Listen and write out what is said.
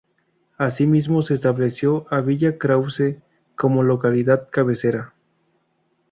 Asimismo se estableció a Villa Krause como localidad cabecera.